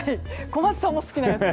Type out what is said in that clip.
小松さんも好きなやつ。